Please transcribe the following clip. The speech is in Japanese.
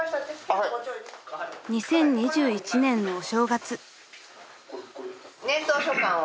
［２０２１年のお正月］